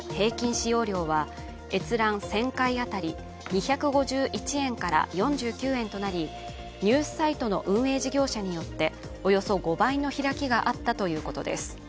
使用料は閲覧１０００回当たり２５１円から４９円となりニュースサイトの運営時業者によっておよそ５倍の開きがあったということです。